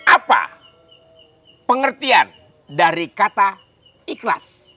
apa pengertian dari kata ikhlas